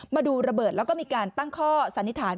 มาดูระเบิดแล้วก็มีการตั้งข้อสันนิษฐาน